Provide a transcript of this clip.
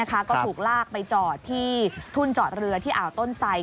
ก็ถูกลากไปจอดที่ทุ่นจอดเรือที่อ่าวต้นไส